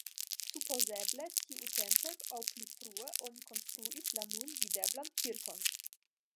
Supozeble tiutempe aŭ pli frue oni konstruis la nun videblan kirkon.